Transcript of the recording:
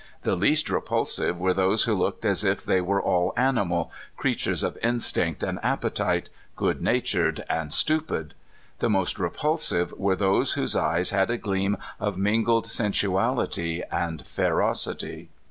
The least repulsive were those who looked as if they were all animal, creatures of instinct and appetite, good natured and stupid ; the most repulsive were those whose eyes had a gleam of mingled sensual ity and ferocity.